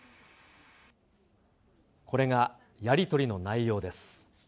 これがやり取りの内容です。